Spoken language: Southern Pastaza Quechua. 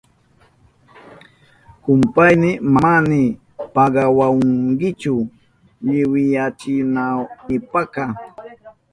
Kumpayni, manami pagawahunkichu liwiyachinaynipaka.